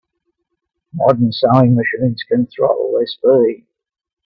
Modern sewing machines can throttle their speed.